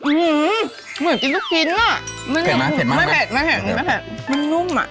อื้อหือมันเหมือนกินซุกกินอะ